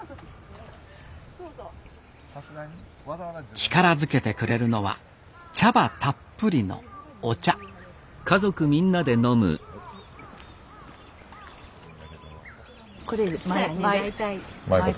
力づけてくれるのは茶葉たっぷりのお茶毎回。